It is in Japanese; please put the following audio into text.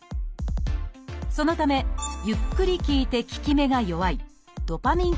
そのためゆっくり効いて効き目が弱いドパミン